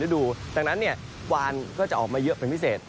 ดูดังนั้นวานก็จะออกมาเยอะเป็นพิเศษ